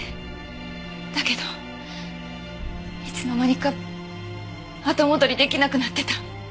だけどいつの間にか後戻り出来なくなってた。